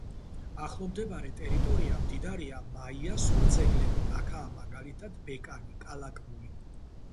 ახლომდებარე ტერიტორია მდიდარია მაიას სხვა ძეგლებით, აქაა მაგალითად ბეკანი, კალაკმული.